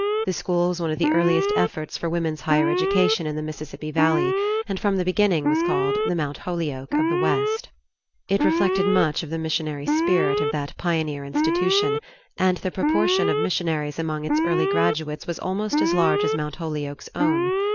The school was one of the earliest efforts for women's higher education in the Mississippi Valley, and from the beginning was called "The Mount Holyoke of the West." It reflected much of the missionary spirit of that pioneer institution, and the proportion of missionaries among its early graduates was almost as large as Mount Holyoke's own.